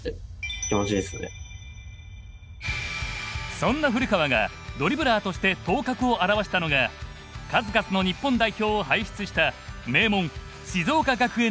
そんな古川がドリブラーとして頭角を現したのが数々の日本代表を輩出した名門静岡学園時代。